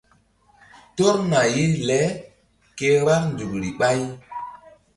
Tɔrna ye le ke vbár nzukri ɓáy.